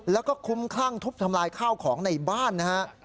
แล้วก็คุ้มคลั่งทุบทำลายข้าวของในบ้านนะฮะ